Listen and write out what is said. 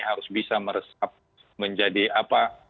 harus bisa meresap menjadi apa